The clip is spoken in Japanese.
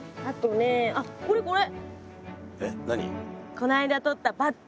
この間とったバッタ。